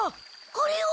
これを！